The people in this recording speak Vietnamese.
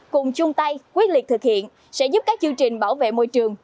cùng chung tay quyết liệt thực hiện sẽ giúp các chương trình bảo vệ môi trường